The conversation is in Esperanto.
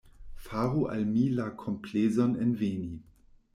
Faru al mi la komplezon enveni.